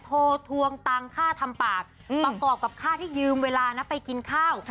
ทวงตังค่าทำปากประกอบกับค่าที่ยืมเวลานะไปกินข้าว